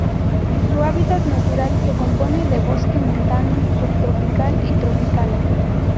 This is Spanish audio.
Su hábitat natural se compone de bosque montano subtropical y tropical.